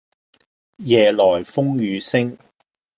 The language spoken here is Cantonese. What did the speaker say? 夜來風雨聲